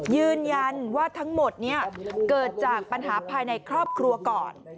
ยืนยันว่าทั้งหมดเกิดจากปัญหาภายในครอบครัวก่อน